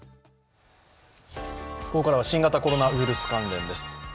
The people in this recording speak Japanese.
ここからは新型コロナウイルス関連です。